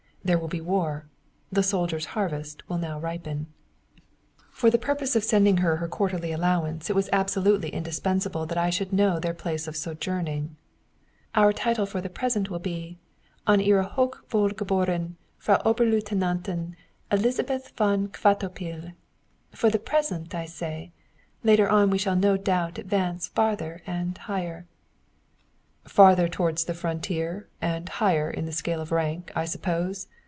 There will be war. The soldier's harvest will now ripen. For the purpose of sending her her quarterly allowance it was absolutely indispensable that I should know their place of sojourning. "Our title for the present will be 'An Ihre hochwohlgeboren Frau Oberlieutenantin Elisabeth von Kvatopil!' For the present, I say. Later on we shall no doubt advance farther and higher." "Farther towards the frontier, and higher in the scale of rank, I suppose?"